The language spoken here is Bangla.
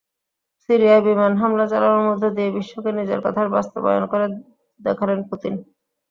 সিরিয়ায় বিমান হামলা চালানোর মধ্য দিয়ে বিশ্বকে নিজের কথার বাস্তবায়ন করে দেখালেন পুতিন।